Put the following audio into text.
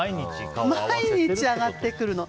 毎日上がってくるの。